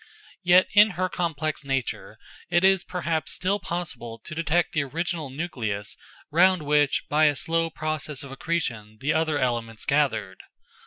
Yet in her complex nature it is perhaps still possible to detect the original nucleus round which by a slow process of accretion the other elements gathered.